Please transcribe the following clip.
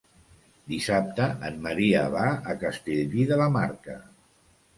Dissabte en Maria va a Castellví de la Marca.